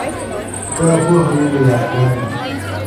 که پوهه وي نو یادګار وي.